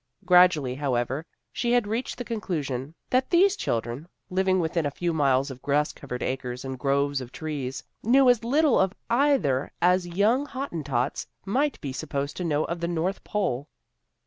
Gradually, however, she had reached the conclusion that these 315 316 TEE GIRLS OF FRIENDLY TERRACE children, living within a few miles of grass covered acres and groves of trees, knew as little of either as young Hottentots might be sup posed to know of the North Pole.